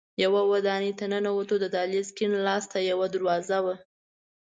یوه ودانۍ ته ننوتو، د دهلېز کیڼ لاس ته یوه دروازه وه.